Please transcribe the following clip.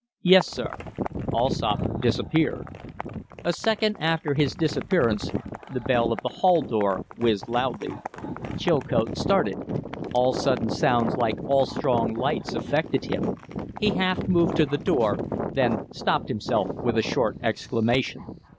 "Yes, sir." Allsopp disappeared. A second after his disappearance the bell of the hall door whizzed loudly. Chileote started. All sudden sounds, like all strong lights, affected him. He half moved to the door, then stopped himself with a short exclamation.